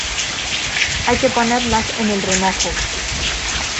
Hay que ponerlas en el remojo.